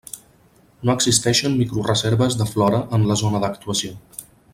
No existeixen microreserves de flora en la zona d'actuació.